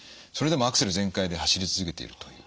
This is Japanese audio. それでもアクセル全開で走り続けていると。